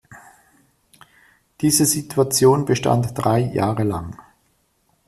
Diese Situation bestand drei Jahre lang.